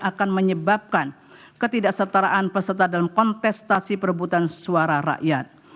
akan menyebabkan ketidaksetaraan peserta dalam kontestasi perebutan suara rakyat